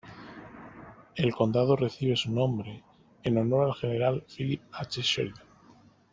El condado recibe su nombre en honor al general Phillip H. Sheridan.